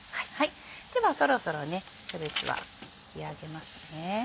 ではそろそろキャベツは引き上げますね。